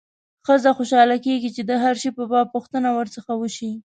ښځه خوشاله کېږي چې د هر شي په باب پوښتنه ورڅخه وشي.